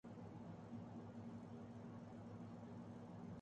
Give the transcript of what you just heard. stock market میں ایک ہفتے کے دوران ریکارڈ فیصد اضافہ